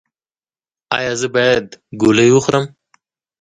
ایا زه باید ګولۍ وخورم؟